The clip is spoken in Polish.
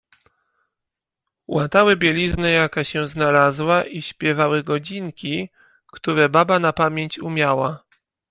"Łatały bieliznę jaka się znalazła, i śpiewały godzinki, które baba na pamięć umiała."